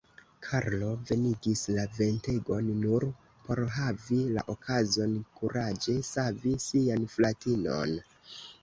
Karlo venigis la ventegon nur por havi la okazon kuraĝe savi sian fratinon.